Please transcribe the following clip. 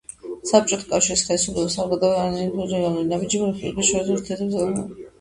საბჭოთა კავშირის ხელისუფლებას არ გადაუდგამს არანაირი რეალური ნაბიჯი რესპუბლიკებს შორის ურთიერთობის განმტკიცებისათვის.